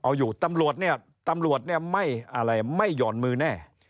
เอาอยู่ตำรวจเนี่ยตำรวจเนี่ยไม่อะไรไม่ห่อนมือแน่